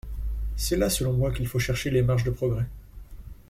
C’est là, selon moi, qu’il faut chercher les marges de progrès.